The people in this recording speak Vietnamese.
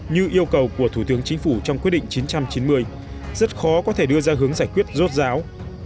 như yêu cầu của thủ tướng chính phủ trong quyết định chín trăm chín mươi rất khó có thể đưa ra hướng giải quyết rốt ráo